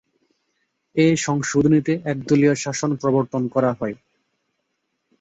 এ সংশোধনীতে একদলীয় শাসন প্রবর্তন করা হয়।